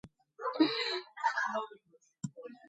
მდებარეობს მდინარე პარანის მარცხენა სანაპიროზე.